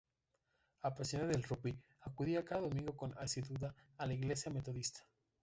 Apasionado del rugby, acudía cada domingo con asiduidad a la Iglesia Metodista.